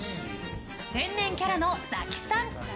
天然キャラの、ざきさん。